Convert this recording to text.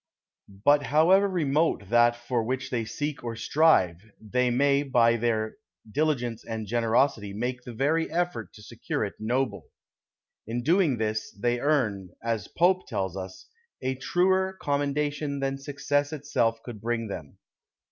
But however remote that for which they seek or strive, they may by their diligence and generosity make the very effort to secure it noble. In doing this they earn, as Pope tells us, a truer commendation than success itself could bring them.